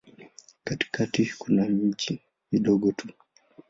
Katikati kuna miji midogo tu.